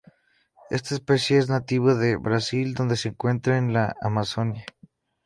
Esta especie es nativa de Brasil donde se encuentra en la Amazonia.